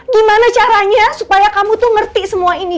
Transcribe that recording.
gimana caranya supaya kamu tuh ngerti semua ini